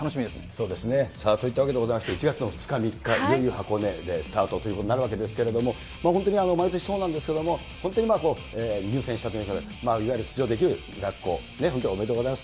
そういったわけでございまして、１月の２日、３日、いよいよ箱根でスタートということになるわけですけれども、本当に毎年そうなんですけれども、本当に選手の方たち、いわゆる出場できる学校、本当におめでとうございます。